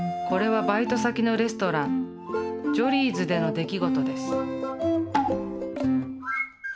これはバイト先のレストランジョリーズでの出来事です。